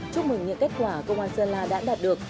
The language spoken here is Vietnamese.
chúc mừng những kết quả công an sơn la đã đạt được